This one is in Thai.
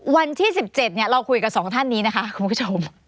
วันที่๑๗เราคุยกับสองท่านนี้นะคะคุณผู้ชม